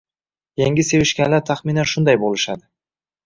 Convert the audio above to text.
Yangi sevishganlar taxminan shunday bo'lishadi